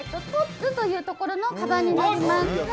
ＴＯＤ’Ｓというところのかばんになります。